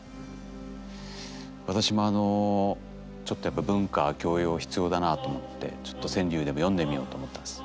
私もあのちょっとやっぱ文化教養必要だなと思ってちょっと川柳でも詠んでみようと思ったんです。